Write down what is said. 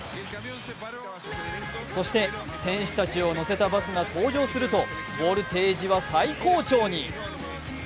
そして選手たちを乗せたバスが登場するとボルテージは最高潮に。